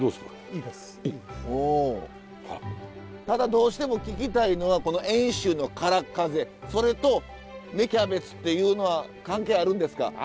ただどうしても聞きたいのはこの遠州の空っ風それと芽キャベツっていうのは関係あるんですか？